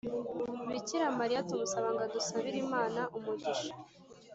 bikira mariya tumusaba ngo adusabireimana umugisha